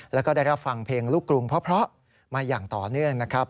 แล้วก็ได้รับฟังเพลงลูกกรุงเพราะมาอย่างต่อเนื่องนะครับ